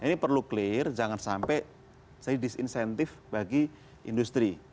ini perlu clear jangan sampai jadi disinsentif bagi industri